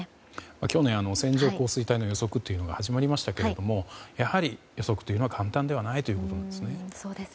去年線状降水帯の予測というのが始まりましたがやはり、予測というのは簡単ではないということなんですね。